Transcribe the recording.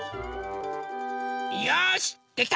よしできた！